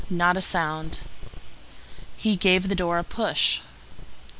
Not a sound. He gave the door a push.